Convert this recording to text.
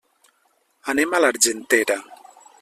Anem a l'Argentera.